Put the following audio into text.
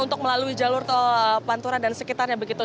untuk melalui jalur tol pantura dan sekitarnya begitu